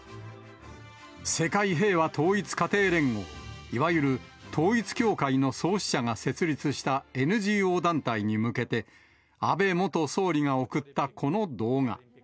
世界平和統一家庭連合、いわゆる統一教会の創始者が設立したＮＧＯ団体に向けて、安倍元総理が送ったこの動画。